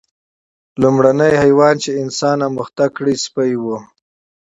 لومړنی حیوان چې انسان اهلي کړ سپی و.